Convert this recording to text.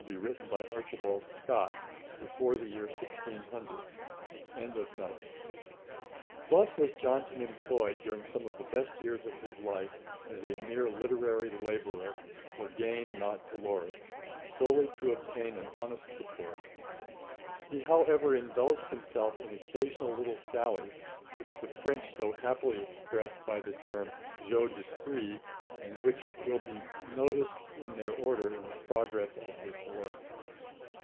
] Thus was Johnson employed during some of the best years of his life, as a mere literary labourer 'for gain, not glory,' solely to obtain an honest support. He however indulged himself in occasional little sallies, which the French so happily express by the term jeux d'esprit, and which will be noticed in their order, in the progress of this work.